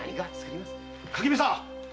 垣見さん！